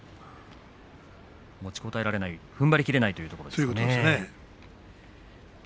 持ちこたえられないとふんばりきれないそういうことですね。